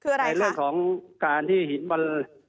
คืออะไรในเรื่องของการที่หินมัน